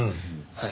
はい。